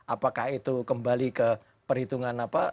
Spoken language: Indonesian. apakah itu kembali ke perhitungan apa